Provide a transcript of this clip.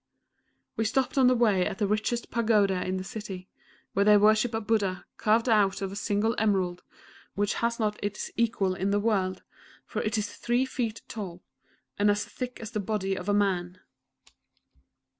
We stopped on the way at the richest Pagoda in the city, where they worship a Buddha carved out of a single emerald, which has not its equal in the world, for it is three feet tall, and as thick as the body of a man.